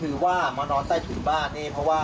คุณบินก็พยายามให้กำลังใจชวนคุยสร้างเสียงหัวเราะค่ะ